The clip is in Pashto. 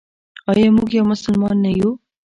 آیا موږ یو مسلمان نه یو؟